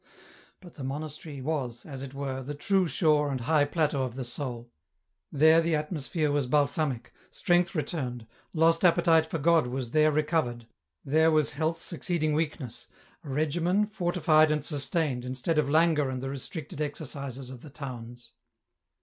But the monastery was, as it were, the true shore and high plateau of the soul. There the atmosphere was balsamic, strength returned, lost appetite for God was there recovered, there was health succeeding weakness, a regimen, fortified and sustained, instead of languor and the restricted exercises of the towns.